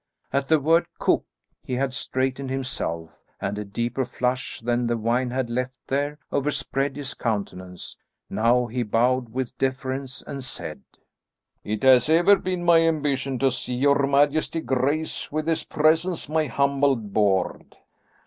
At the word "cook," he had straightened himself, and a deeper flush than the wine had left there, overspread his countenance; now he bowed with deference and said, "It has ever been my ambition to see your majesty grace with his presence my humble board."